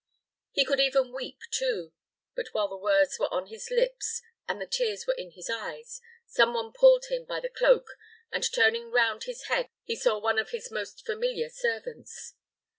" He could even weep, too; but while the words were on his lips, and the tears were in his eyes, some one pulled him by the cloak, and turning round his head, he saw one of his most familiar servants.